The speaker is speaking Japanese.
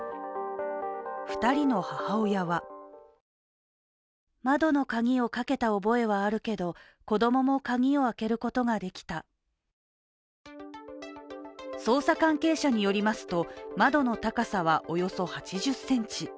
２人の母親は捜査関係者によりますと窓の高さはおよそ８０ｃｍ。